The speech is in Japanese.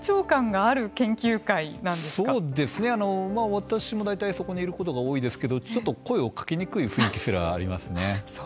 私も大体そこにいることが多いですけどちょっと声をかけにくい雰囲気すらありますね。